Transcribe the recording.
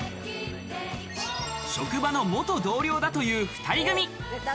職場の元同僚だという２人組。